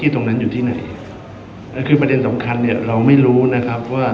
ก็คือประเด็นสำคัญเนี่ยเราไม่รู้นะครับว่า